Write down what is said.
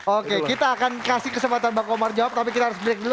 oke kita akan kasih kesempatan bang omar jawab tapi kita harus break dulu